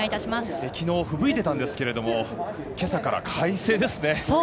きのうふぶいていたんですけどもけさから快晴ですね。